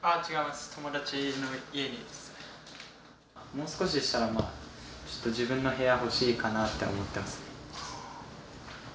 もう少ししたらまあちょっと自分の部屋欲しいかなって思ってます。